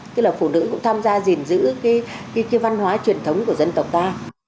tức là phụ nữ cũng tham gia gìn giữ cái văn hóa truyền thống của dân tộc ta